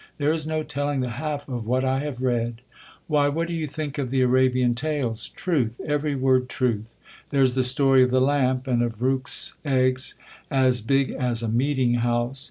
There is no telling the half of what I have read. Why, what do you think of the Arabian Tales ? Truth I every word truth ! There's the story of the lamp, and of Rcok's eggs as big as a meeting house.